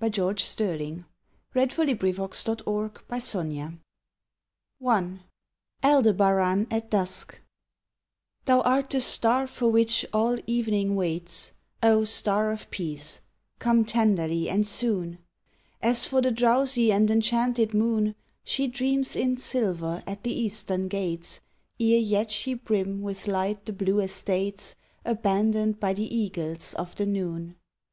21 "THREE SONNET'S OF 'THE NIGHT SKIES ALDEBARAN AT DUSK Thou art the star for which all evening waits — O star of peace, come tenderly and soon! As for the drowsy and enchanted moon, She dreams in silver at the eastern gates Ere yet she brim with light the blue estates Abandoned by the eagles of the noon.